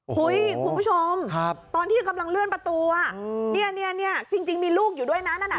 โอ้โหคุณผู้ชมครับตอนที่กำลังเลื่อนประตูอ่ะอืมเนี้ยเนี้ยเนี้ยจริงจริงมีลูกอยู่ด้วยนั้นน่ะนะ